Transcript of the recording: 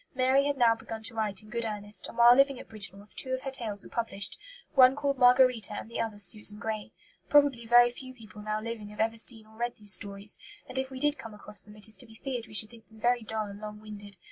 Mary had now begun to write in good earnest; and while living at Bridgnorth two of her tales were published, one called Margarita and the other Susan Grey. Probably very few people now living have ever seen or read these stories; and if we did come across them it is to be feared we should think them very dull and long winded.